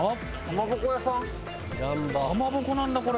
かまぼこなんだこれ。